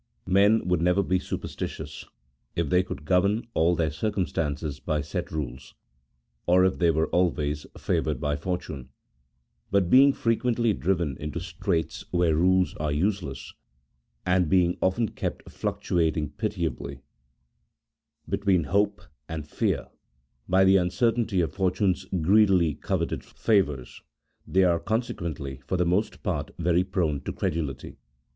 MEN would never be superstitious, if they could govern all their circumstances by set rules, or if they were always favoured by fortune : but being frequently driven into straits where rules are useless, and being often kept fluc tuating pitiably between hope and fear by the uncertainty of fortune's greedily coveted favours, they are consequently, for the most part, very prone to credulity.